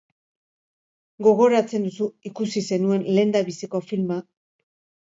Gogoratzen duzu ikusi zenuen lehendabiziko filma?